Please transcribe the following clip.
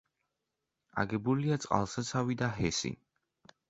აგებულია წყალსაცავი და ჰესი.